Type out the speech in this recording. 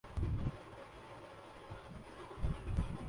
یہ بات جاپان میں ہونے والی ایک طبی تحقیق میں سامنے آئی ہے